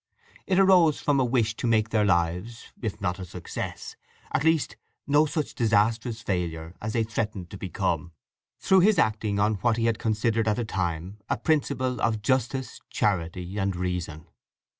It arose from a wish to make their lives, if not a success, at least no such disastrous failure as they threatened to become, through his acting on what he had considered at the time a principle of justice, charity, and reason.